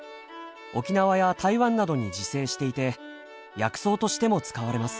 沖縄や台湾などに自生していて薬草としても使われます。